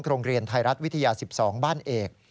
โรงเรียนไทยรัฐวิทยา๑๒บ้านเอก